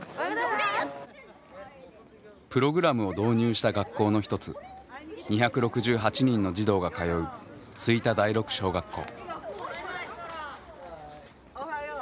プログラムを導入した学校の一つ２６８人の児童が通う吹田第六小学校。